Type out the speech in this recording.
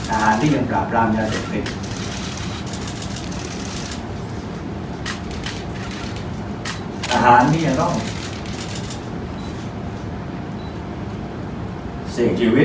อาหารที่ยังกราบรามยาสุขฤทธิ์อาหารที่ยังร่องเสียงชีวิต